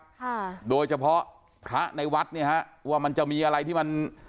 ค่ะโดยเฉพาะพระในวัดเนี่ยฮะว่ามันจะมีอะไรที่มัน